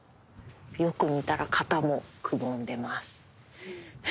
よく見たら肩もくぼんでます。